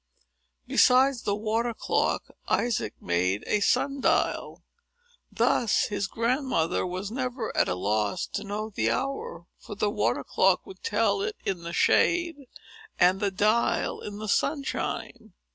Besides the water clock, Isaac made a sun dial. Thus his grandmother was never at a loss to know the hour; for the water clock would tell it in the shade, and the dial in the sunshine.